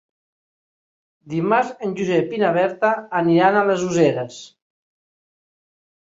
Dimarts en Josep i na Berta aniran a les Useres.